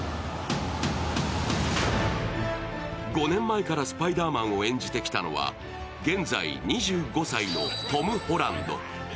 ５年前からスパイダーマンを演じてきたのは現在２５歳のトム・ホランド。